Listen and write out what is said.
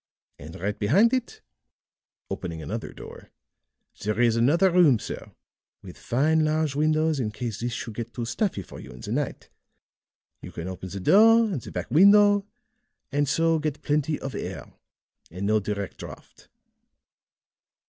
And right behind it," opening another door, "there is another room, sir, with fine large windows in case this should get too stuffy for you in the night. You can open the door and the back window, and so get plenty of air and no direct draught."